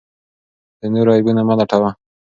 د نورو عیبونه مه لټوه.